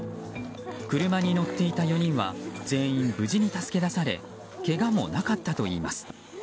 車に乗っていた４人は全員、無事に助け出されけがもなかったといいます。